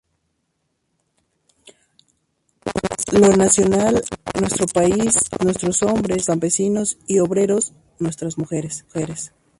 Lo nacional, nuestro país, nuestros hombres, nuestros campesinos y obreros, nuestras mujeres.